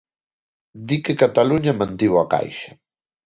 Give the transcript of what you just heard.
Di que Cataluña mantivo a caixa.